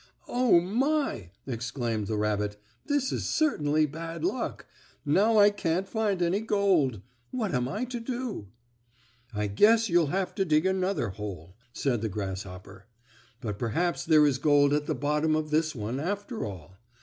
"Oh, my!" exclaimed the rabbit. "This is certainly bad luck. Now I can't find any gold. What am I to do?" "I guess you'll have to dig another hole," said the grasshopper. "But perhaps there is gold at the bottom of this one, after all.